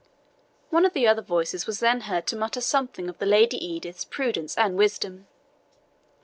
One of the other voices was then heard to mutter something of the Lady Edith's prudence and wisdom.